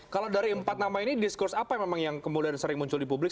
kalau dari empat nama ini diskurs apa yang kemudian sering muncul di publik